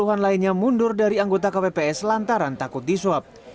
dua puluh an lainnya mundur dari anggota kpps lantaran takut diswab